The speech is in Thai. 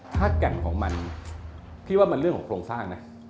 ถ้าแก่นของมันพี่ว่ามันเรื่องของโครงสร้างนะ